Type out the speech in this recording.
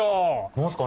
何すか？